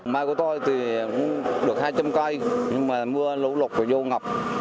mai của tôi thì cũng được hai trăm linh cây nhưng mà mưa lũ lụt và vô ngập